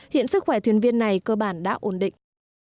hiện sức khỏe thuyền viên này cơ bản đã ổn định